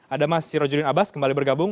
ada mas sirojurin abas kembali bergabung